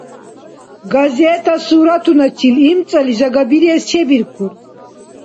Газета суратуначил имцӀали жагабирес чебиркур.